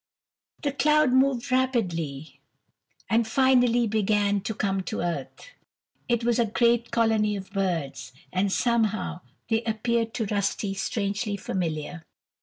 The cloud moved rapidly, and finally began to come to earth. It was a great colony of birds, and somehow they appeared to Rusty strangely familiar.